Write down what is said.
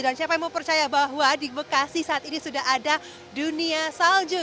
dan siapa yang mempercaya bahwa di bekasi saat ini sudah ada dunia salju